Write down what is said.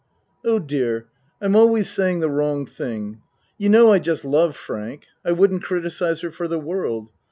Oh, dear, I'm always saying the wrong thing. You know I just love Frank. I wouldn't criticize her for the world.